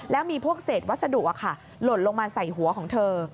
แล้วมีพวกเศษวัสดุหล่นลงมาใส่หัวของเธอ